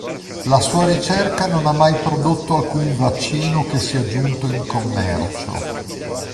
La sua ricerca non ha mai prodotto alcun vaccino che sia giunto in commercio.